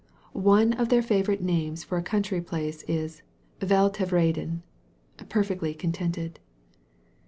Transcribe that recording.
One of their favorite names for a country plaoe is Wd Tevrederif "perfectly contented."